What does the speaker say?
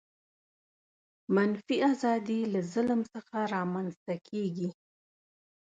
منفي آزادي له ظلم څخه رامنځته کیږي.